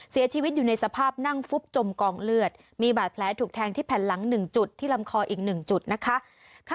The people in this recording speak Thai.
เสียชีวิตอยู่ในสภาพนั่งฟุบจมกองเลือดมีบาดแผลถูกแทงที่แผ่นหลัง๑จุดที่ลำคออีก๑จุดนะคะ